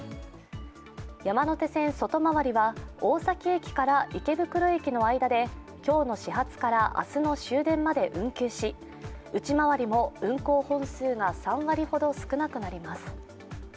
山手線外回りは大崎駅から池袋駅の間で今日の始発から明日の終電まで運休し内回りも運行本数が３割ほど少なくなります。